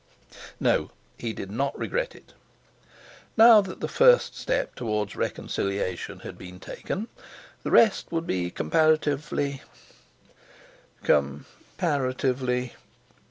No, he did not regret it. Now that the first step towards reconciliation had been taken, the rest would be comparatively—comparatively....